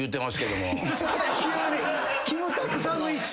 急にキムタクさんの位置。